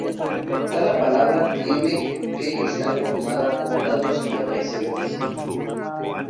Cada palabra tiene que estar formada por dados adyacentes.